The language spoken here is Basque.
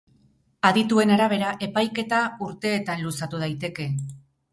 Adituen arabera, epaiketa urteetan luzatu daiteke.